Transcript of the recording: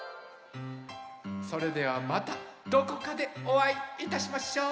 それではまたどこかでおあいいたしましょう。